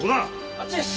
あっちです！